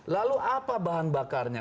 lalu apa bahan bakarnya